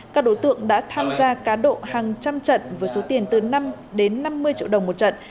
các đối tượng đã tham gia cá độ hàng trăm trận với số tiền từ năm đến năm mươi triệu đồng một trận